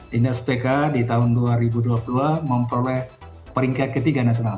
dinas pk di tahun dua ribu dua puluh dua memperoleh peringkat ketiga nasional